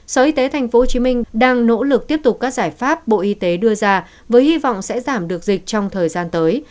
sở y tế tp hcm đang nỗ lực tiếp tục các giải pháp bộ y tế đưa ra với hy vọng sẽ giảm được dịch trong thời gian tới